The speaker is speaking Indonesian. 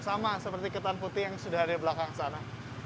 sama seperti ketan putih yang sudah ada di belakang sana